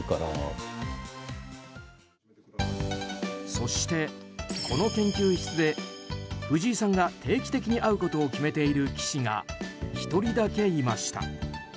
そして、この研究室で藤井さんが定期的に会うことを決めている棋士が１人だけいました。